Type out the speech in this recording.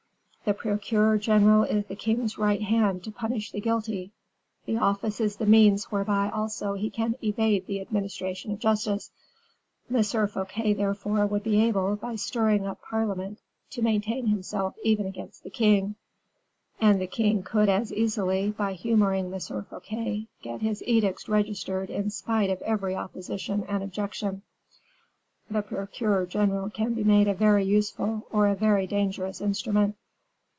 The procureur general is the king's right hand to punish the guilty; the office is the means whereby also he can evade the administration of justice. M. Fouquet, therefore, would be able, by stirring up parliament, to maintain himself even against the king; and the king could as easily, by humoring M. Fouquet, get his edicts registered in spite of every opposition and objection. The procureur general can be made a very useful or a very dangerous instrument."